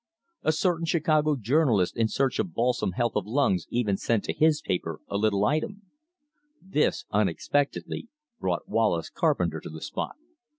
A certain Chicago journalist in search of balsam health of lungs even sent to his paper a little item. This, unexpectedly, brought Wallace Carpenter to the spot.